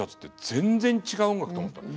全然違う音楽と思ったの。